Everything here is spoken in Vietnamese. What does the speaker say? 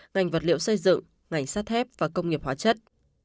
ngành vật liệu xây dựng ngành sắt thép và công nghiệp hóa chất